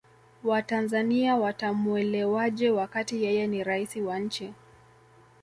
watanzania watamuelewaje wakati yeye ni raisi wa nchi